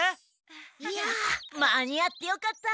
いや間に合ってよかった。